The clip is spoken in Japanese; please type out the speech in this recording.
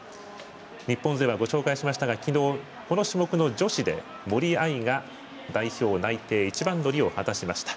日本勢は、ご紹介しましたが昨日、この種目の女子で森秋彩が代表内定一番乗りを果たしました。